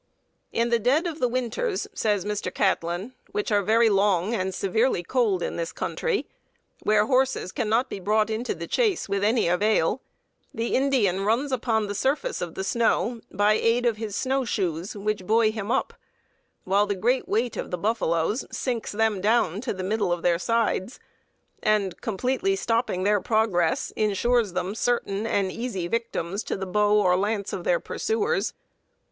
_ "In the dead of the winters," says Mr. Catlin, "which are very long and severely cold in this country, where horses can not be brought into the chase with any avail, the Indian runs upon the surface of the snow by aid of his snow shoes, which buoy him up, while the great weight of the buffaloes sinks them down to the middle of their sides, and, completely stopping their progress, insures them certain and easy victims to the bow or lance of their pursuers.